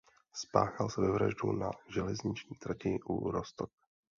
Spáchal sebevraždu na železniční trati u Roztok.